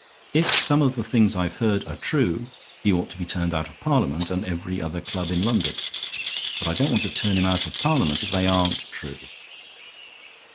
If some of the things I've heard are true he ought to be turned out of Parliament and every other club in London. But I don't want to turn him out of Parliament if they aren't true."